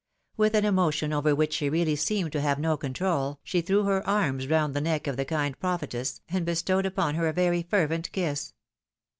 With an emotion over which she really seemed to have no con trol, she threw her arms round the neck of the kind prophetess, and bestowed upon her a very fervent kiss.